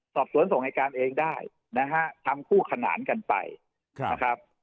สอบสวนส่งอายการเองได้นะฮะทำคู่ขนานกันไปนะครับ